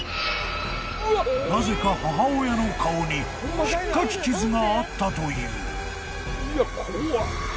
［なぜか母親の顔に引っかき傷があったという］